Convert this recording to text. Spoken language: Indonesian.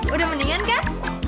udah mendingan kan